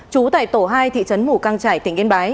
trú tại tổ hai thị trấn mù căng trải tỉnh yên bái